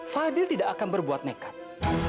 fadil tidak akan berbuat nekat